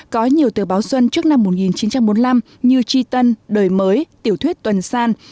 có nhiều tờ báo xuân trước năm một nghìn chín trăm bốn mươi năm như tri tân đời mới tiểu thuyết tuần san